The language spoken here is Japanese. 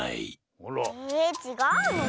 えちがうの？